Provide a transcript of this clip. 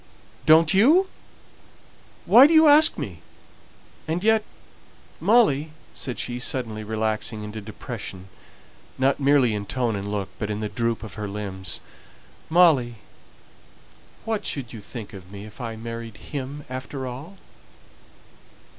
"Don't you? Why do you ask me? and yet, Molly," said she, suddenly relaxing into depression, not merely in tone and look, but in the droop of her limbs "Molly, what should you think of me if I married him after all?"